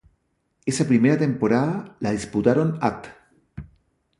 Esa primera temporada la disputaron At.